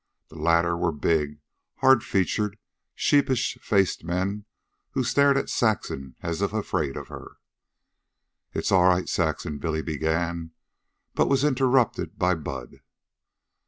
The latter were big, hard featured, sheepish faced men, who stared at Saxon as if afraid of her. "It's all right, Saxon," Billy began, but was interrupted by Bud.